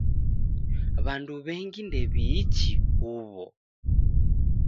W'andu w'engi ndew'iichi huw'o.